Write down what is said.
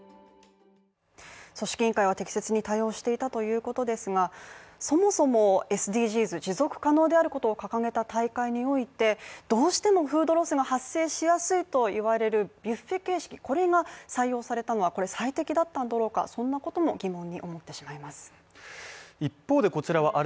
組織委員会は適切に対応していたということですが、そもそもＳＤＧｓ持続可能であることを掲げた大会において、どうしてもフードロスが発生しやすいと言われるビュッフェ形式これが採用されたのはこれ最適だったんだろうかそんなことも疑問に思ってしまいます。